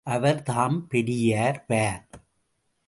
அவர்தாம் Periyar பார்!